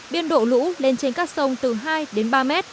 biên độ lũ lên trên các sông từ hai đến ba mét